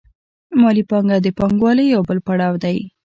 مالي پانګه د پانګوالۍ یو بل پړاو دی